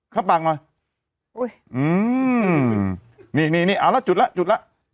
เข้าปากหน่อยอุ้ยอืมนี่นี่เอาแล้วจุดแล้วจุดแล้ว